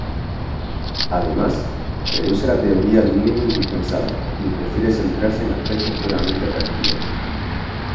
Además, reduce la teoría al mínimo indispensable y prefiere centrarse en aspectos puramente prácticos.